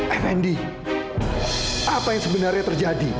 eh fendi apa yang sebenarnya terjadi